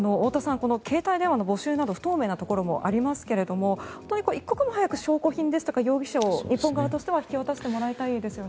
この携帯電話の没収など不透明なところもありますが一刻も早く証拠品とか容疑者を日本側としては引き渡してもらいたいですよね。